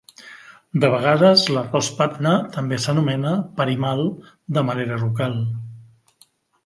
De vegades, l'arròs Patna també s'anomena "Parimal" de manera local.